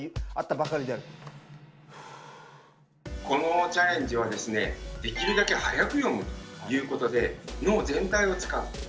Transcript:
このチャレンジはですねできるだけ速く読むということで脳全体を使う。